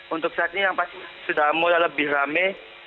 untuk saat ini yang pasti sudah mulai lebih rame